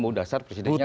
oh dasar presidennya